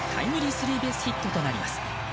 スリーベースヒットとなります。